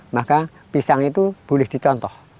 maka pisang itu boleh dicontoh